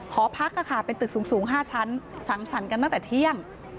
หอพักเป็นตึกสูง๕ชั้นสังสรรค์กันตั้งแต่เที่ยง